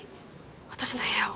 私の部屋を？